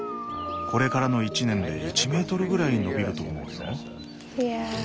これからの１年で１メートルぐらい伸びると思うよ。